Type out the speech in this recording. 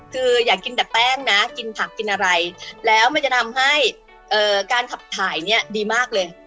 คืออยากกินแต่แป้งนะกินผักกินอะไรแล้วมันจะทำให้การขับถ่ายเนี่ยดีมากเลย